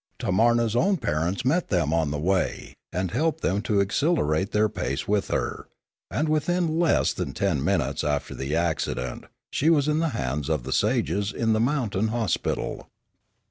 Tanz ania's own parents met them on the way, and helped them to accelerate their pace with her; and within less than ten minutes after the accident she was in the hands of the sages in the mountain hospital.